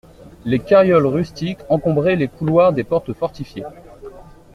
Les carrioles rustiques encombraient les couloirs des portes fortifiées.